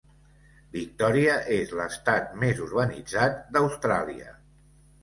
Victòria és l'estat més urbanitzat d'Austràlia.